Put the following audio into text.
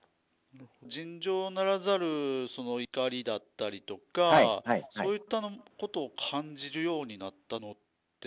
尋常ならざる怒りだったりとか、そういったことを感じるようになったのって。